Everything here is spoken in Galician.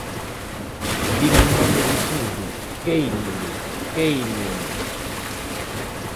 Vin un home dicindo quéimome, quéimome.